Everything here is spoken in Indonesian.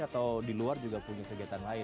atau di luar juga punya kegiatan lain